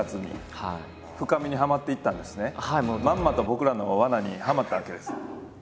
まんまと僕らの罠にはまったわけです。